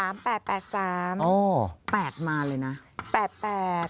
๘มาเลยนะ